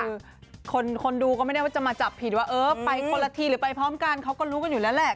คือคนดูก็ไม่ได้ว่าจะมาจับผิดว่าเออไปคนละทีหรือไปพร้อมกันเขาก็รู้กันอยู่แล้วแหละ